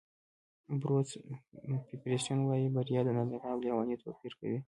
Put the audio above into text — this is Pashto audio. بروس فیریسټن وایي بریا د نابغه او لېوني توپیر کوي.